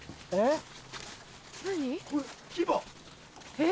えっ？